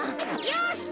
よし！